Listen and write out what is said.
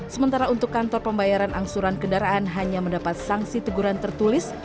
sementara untuk kantor pembayaran angsuran kendaraan hanya mendapat sanksi teguran tertulis